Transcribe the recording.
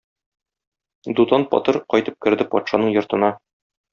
Дутан батыр кайтып керде патшаның йортына.